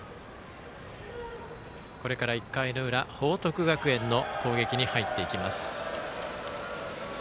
これから１回の裏、報徳学園の攻撃に入っていきます。